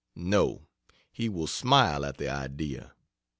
No, he will smile at the idea.